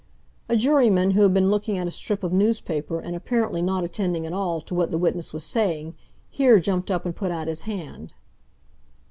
A juryman who had been looking at a strip of newspaper, and apparently not attending at all to what the witness was saying, here jumped up and put out his hand.